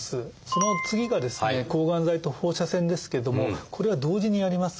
その次が「抗がん剤」と「放射線」ですけどもこれは同時にやります。